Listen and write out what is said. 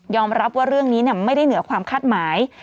รับว่าเรื่องนี้ไม่ได้เหนือความคาดหมาย